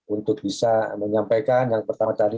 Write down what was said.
untuk bisa menyampaikan yang pertama tadi